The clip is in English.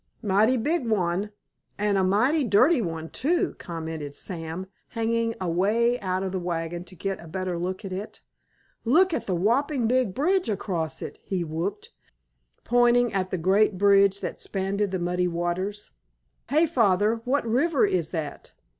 "Mighty big one—and a mighty dirty one, too," commented Sam, hanging away out of the wagon to get a better look at it. "Look at the whopping big bridge across it!" he whooped, pointing at the great bridge that spanned the muddy waters. "Hey, Father, what river is that?